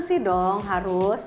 masih dong harus